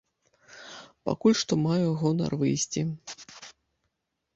Пакуль што маю гонар выйсці.